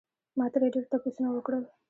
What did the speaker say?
ما ترې ډېر تپوسونه وکړل